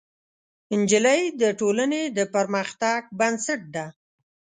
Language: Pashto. نجلۍ د ټولنې د پرمختګ بنسټ ده.